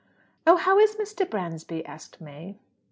"Oh, how is Mr. Bransby?" asked May.